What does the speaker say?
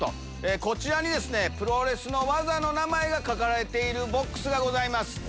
こちらにですねプロレスの技の名前が書かれているボックスがございます。